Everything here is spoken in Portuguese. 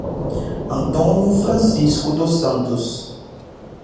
Antônio Francisco dos Santos